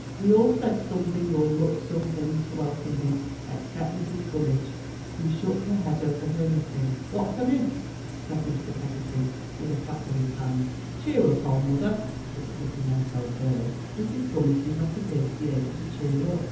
*' We all said something, or looked something, to welcome him, except Mrs. Gummidge, who shook her head over her knitting. "What's amiss?" said Mr. Peggotty, with a clap of his hands. "Cheer up, old Mawther " (Mr. Peggotty meant old girl.) Mrs. Gummidge did not appear to be able to cheer up.